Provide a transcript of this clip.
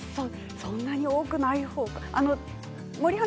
そんなに多くない方かな。